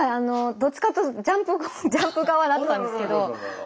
どっちかというと「ジャンプ」側だったんですけど。